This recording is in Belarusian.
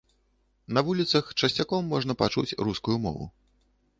На вуліцах часцяком можна пачуць рускую мову.